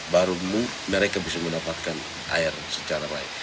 baru mereka bisa mendapatkan air secara baik